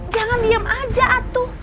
jangan diem aja atu